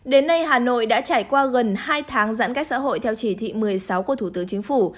đến nay hà nội đã trải qua gần hai tháng giãn cách xã hội theo chỉ thị một mươi sáu của thủ tướng chính phủ